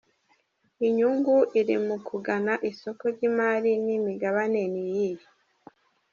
Inyungu iri mu kugana isoko ry’imari n’imigabane n’iyihe?.